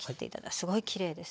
すごいきれいです。